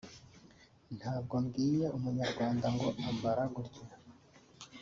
Ntabwo mbwiye umunyarwanda ngo ambara gutya